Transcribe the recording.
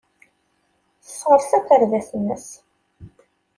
Tesseɣres akerbas-nnes.